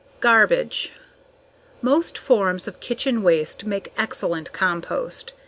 _ _Garbage. _Most forms of kitchen waste make excellent compost.